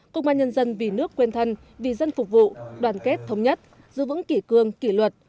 công an nhân dân vì nước quên thân vì dân phục vụ đoàn kết thống nhất giữ vững kỷ cương kỷ luật